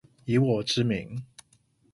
以我之名